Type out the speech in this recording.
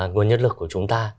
nguồn nhân lực của chúng ta